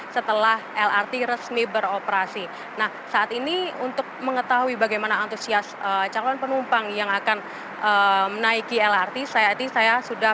selamat pagi nindya